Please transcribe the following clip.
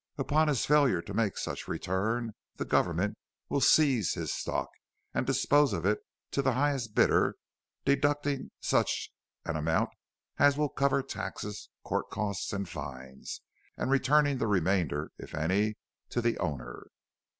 Upon his failure to make such return the government will seize his stock and dispose of it to the highest bidder, deducting such an amount as will cover taxes, court costs, and fines, and returning the remainder, if any, to the owner."